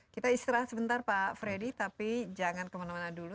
kita istirahat sebentar pak freddy tapi jangan kemana mana dulu